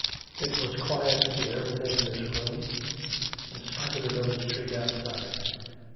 It was quiet here within this room, in spite of the village street outside.